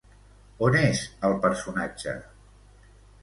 On és el personatge?